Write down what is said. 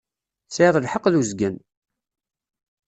Tesɛiḍ lḥeqq deg uzgen.